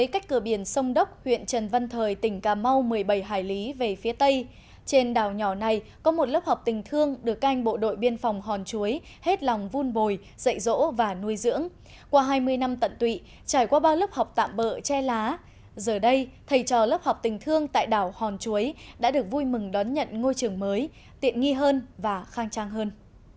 các học sinh đã được vui mừng đón nhận ngôi trường mới tiện nghi hơn và khang trang hơn